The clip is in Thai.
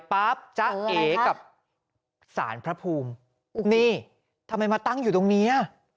ปั๊บจ๊ะเก๋กับสารพระภูมินี่ทำไมมาตั้งอยู่ตรงเนี้ย